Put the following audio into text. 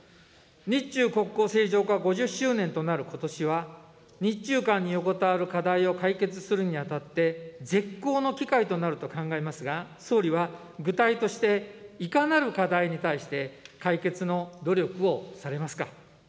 日中国交正常化５０周年となることしは、日中間に横たわる課題を解決するにあたって、絶好の機会となると考えますが、総理は具体としていかなる課題に対して解決の努力をされますか。